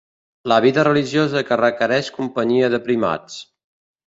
La vida religiosa que requereix companyia de primats.